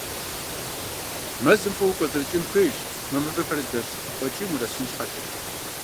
Мэзым фӀыуэ укӀуэцӀрыкӀын хуейщ мы мывэхэр зыдэлъ къуэкӀийм унэсын щхьэкӀэ.